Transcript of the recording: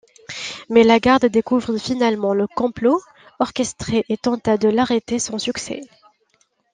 Mais la Garde découvrit finalement le complot orchestré et tenta de l'arrêter sans succès.